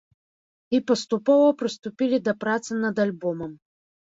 І паступова прыступілі да працы над альбомам.